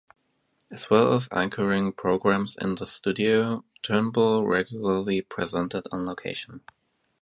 As well as anchoring programmes in the studio, Turnbull regularly presented on location.